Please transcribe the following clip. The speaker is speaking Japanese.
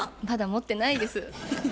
まだ持ってないです。